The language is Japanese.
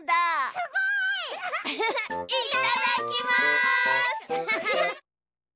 すごい！いっただっきます！